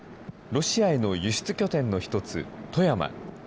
ロシアへの輸出拠点の１つ、富山。